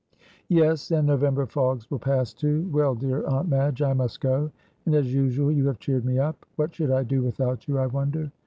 '" "Yes, and November fogs will pass too. Well, dear Aunt Madge, I must go, and as usual you have cheered me up. What should I do without you, I wonder."